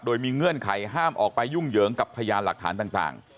โดยมีเงื่อนไขห้ามออกไปยุ่งเหยิงกับพยานหลักฐานต่าง